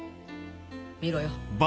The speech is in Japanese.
見ろよ。